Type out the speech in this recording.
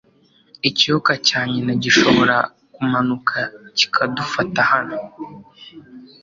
Ikiyoka cya nyina gishobora kumanuka kikadufata hano.